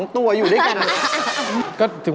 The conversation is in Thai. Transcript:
ถามพี่ปีเตอร์